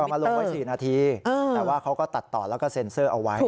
เล่ามาลงไว้สี่นาทีเหรอแต่ว่าเขาก็ตัดต่อแล้วก็เซนเซอร์เอาไว้